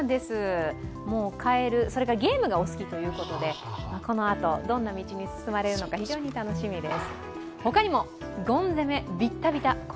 カエル、それからゲームがお好きということで、どんな道に進まれるのか非常に楽しみです。